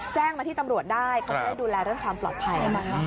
แจ้งมาที่ตำรวจได้เขาจะได้ดูแลเรื่องความปลอดภัยนะคะ